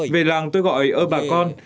về làng tôi gọi ơ bà con